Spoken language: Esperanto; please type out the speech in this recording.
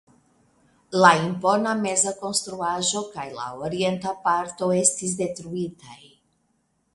La impona meza konstruaĵo kaj la orienta parto estis detruitaj.